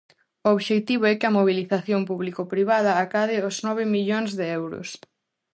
O obxectivo é que a mobilización público-privada acade os nove millóns de euros.